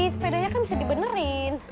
sepedanya kan bisa dibenerin